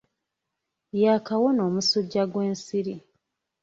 Yaakawona omusujja gw'ensiri.